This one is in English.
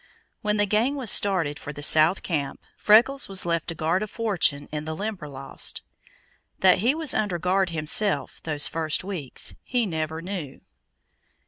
When the gang was started for the south camp, Freckles was left to guard a fortune in the Limberlost. That he was under guard himself those first weeks he never knew.